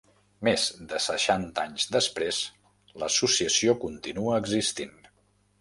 Més de seixanta anys després, l'associació continua existint.